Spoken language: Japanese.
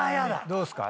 どうですか？